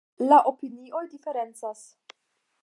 La opinioj diferencas.